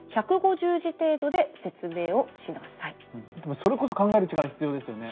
それこそ考える力必要ですよね。